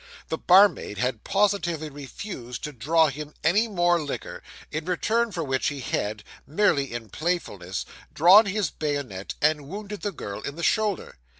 The barmaid had positively refused to draw him any more liquor; in return for which he had (merely in playfulness) drawn his bayonet, and wounded the girl in the shoulder.